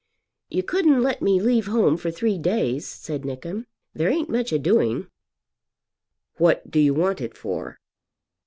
"You couldn't let me leave home for three days?" said Nickem. "There ain't much a doing." "What do you want it for?"